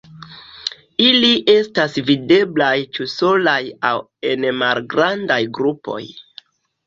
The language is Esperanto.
Ili estas videblaj ĉu solaj aŭ en malgrandaj grupoj.